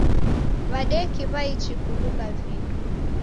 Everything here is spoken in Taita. W'adeki w'aichi kulunga vindo.